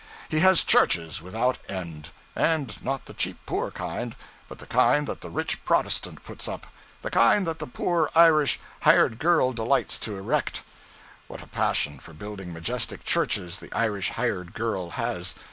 He has churches without end; and not the cheap poor kind, but the kind that the rich Protestant puts up, the kind that the poor Irish 'hired girl' delights to erect. What a passion for building majestic churches the Irish hired girl has.